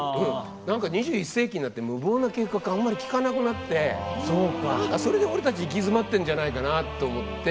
何か２１世紀になって無謀な計画あんまり聞かなくなって何かそれで俺たち行き詰まってんじゃないかなと思って。